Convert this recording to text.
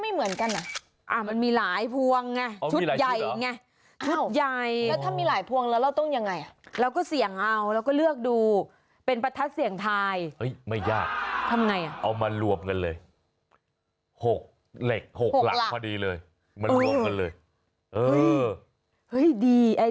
เห้ยโดมพัด